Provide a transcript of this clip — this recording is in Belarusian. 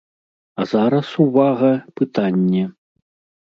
А зараз, увага, пытанне!